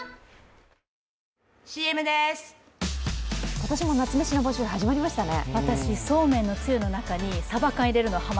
今年も夏メシの募集始まりましたね。